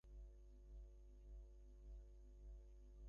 আমরা যে একই, সেটা তুমি বুঝতে পারছো না।